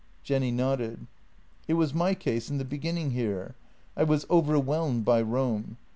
" Jenny nodded. " It was my case in the beginning here. I was overwhelmed by Rome.